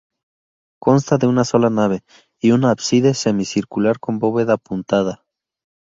Consta de una sola nave y un ábside semicircular con bóveda apuntada.